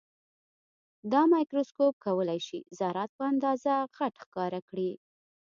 دا مایکروسکوپ کولای شي ذرات په اندازه غټ ښکاره کړي.